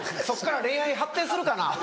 そこから恋愛発展するかな？